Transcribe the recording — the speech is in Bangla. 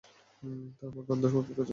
তা পাকা, অর্ধপাকা ও কাঁচা খেজুরে ঠাসা।